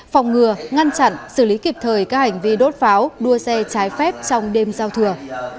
phòng ngừa ngăn chặn xử lý kịp thời các hành vi đốt pháo đua xe trái phép trong đêm giao thừa